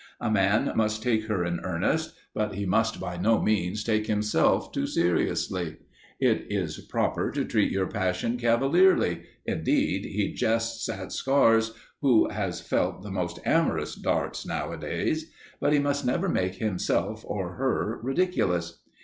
A man must take her in earnest, but he must by no means take himself too seriously; it is proper to treat your passion cavalierly indeed, he jests at scars who has felt the most amorous darts, nowadays but he must never make himself or her ridiculous.